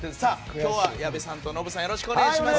今日は矢部さんとノブさんお願いします。